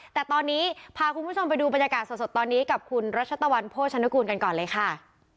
แต่ตอนนี้พาคุณผู้ชมไปดูบรรยากาศสดตอนนี้กับคุณรัชตะวันโภชนกูลกันก่อนเลยค่ะ